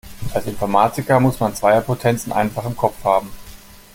Als Informatiker muss man Zweierpotenzen einfach im Kopf haben.